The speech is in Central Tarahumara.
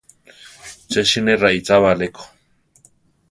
Ché siné raichába aréko.